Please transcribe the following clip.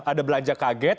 ada belanja kaget